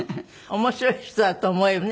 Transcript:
面白い人だと思えばね。